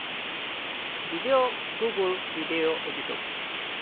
Video, Google Vídeo o YouTube.